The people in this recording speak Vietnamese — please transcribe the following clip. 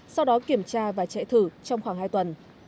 sau đó kiểm tra và chạy thử trong khoảng hai tuần